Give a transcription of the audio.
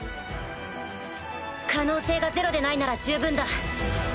可能性がゼロでないなら十分だ。